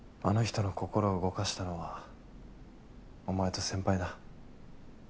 あの人の心を動かしたのはおまえと先輩だ。